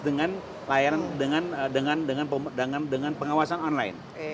dengan layanan dengan pengawasan online